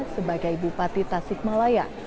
sebagai bupati tasikmalaya